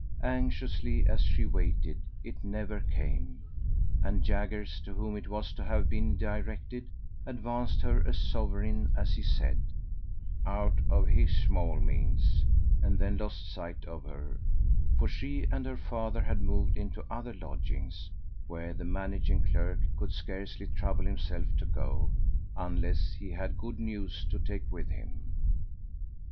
Anxiously as she waited, it never came, and Jaggers, to whom it was to have been directed, advanced her a sovereign, as he said, "out of his small means," and then lost sight of her, for she and her father had moved into other lodgings, where the managing clerk could scarcely trouble himself to go, unless he had good news to take with him.